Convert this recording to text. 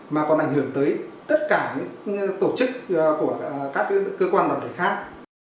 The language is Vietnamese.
mà còn ảnh hưởng tới tất cả tổ chức của các cơ quan lập thể khác